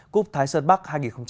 cúp thái sơn bắc hai nghìn hai mươi bốn